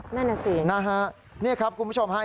นั่นน่ะสินะฮะนี่ครับคุณผู้ชมฮะ